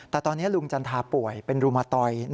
แต่ตอนนี้ลุงจันทาป่วยเป็นรุมตอย